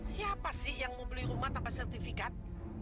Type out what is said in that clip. siapa sih yang mau beli rumah tanpa sertifikat